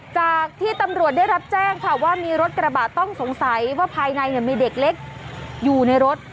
จากที่ตำรวจได้รับแจ้งค่ะว่ามีรถกระบะต้องสงสัยว่าภายในมีเด็กเล็กอยู่ในรถ